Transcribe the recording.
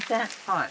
はい。